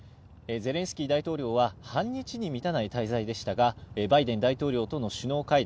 ゼレンスキー大統領は半日に満たない滞在でしたがバイデン大統領との首脳会談。